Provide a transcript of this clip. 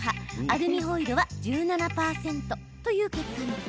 アルミホイル派は１７％という結果に。